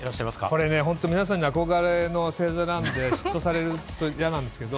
これ、皆さん憧れの星座なんで、嫉妬されると嫌なんですけれど。